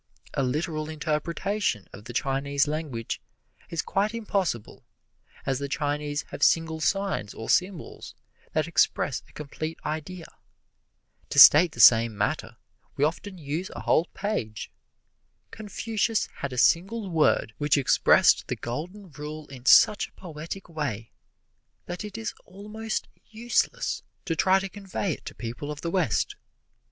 A literal interpretation of the Chinese language is quite impossible, as the Chinese have single signs or symbols that express a complete idea. To state the same matter, we often use a whole page. Confucius had a single word which expressed the Golden Rule in such a poetic way that it is almost useless to try to convey it to people of the West.